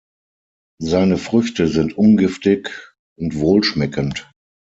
Seine Früchte sind ungiftig und wohlschmeckend.